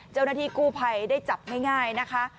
เจ้าหน้าที่กู้ภัยได้จับง่ายนะคะ